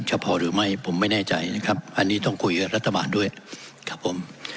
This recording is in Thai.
จะพอหรือไม่ผมไม่แน่ใจนะครับอันนี้ต้องคุยกับรัฐบาลด้วยครับผม